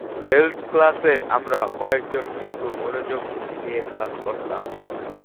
Health ক্লাসে আমরা কয়েকজন কিন্তু মনোযোগ দিয়ে ক্লাস করতাম!